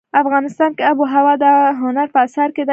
افغانستان کې آب وهوا د هنر په اثار کې دي.